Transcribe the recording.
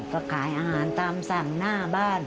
ก็ขายอาหารตามสั่งหน้าบ้าน